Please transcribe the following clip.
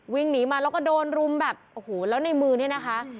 วิ่งหนีมาแล้วก็โดนรุมแบบโอ้โหแล้วในมือเนี่ยนะคะ